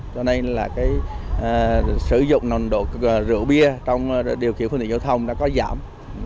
do này sử dụng nồng độ rượu bia trong điều khiển phương tiện giao thông đã có giảm